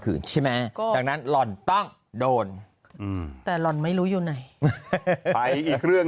คืนใช่ไหมล่ะนั้นต้องโดนแต่ล่ังไม่รู้อยู่ไหนไปอีกเรื่อง